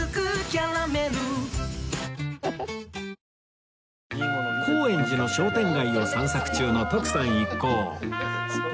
２１高円寺の商店街を散策中の徳さん一行